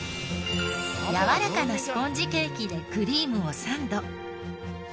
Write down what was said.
やわらかなスポンジケーキでクリームをサンド。